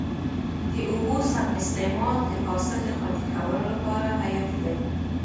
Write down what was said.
د اوبو سم استعمال د حاصل د خوندي کولو لپاره حیاتي دی.